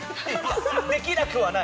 できなくはない。